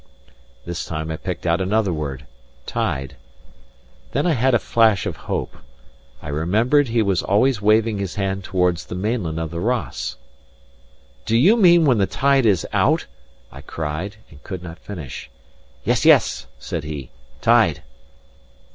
This time I picked out another word, "tide." Then I had a flash of hope. I remembered he was always waving his hand towards the mainland of the Ross. "Do you mean when the tide is out ?" I cried, and could not finish. "Yes, yes," said he. "Tide."